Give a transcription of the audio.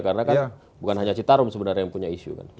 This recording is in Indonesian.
karena kan bukan hanya citarum sebenarnya yang punya isu kan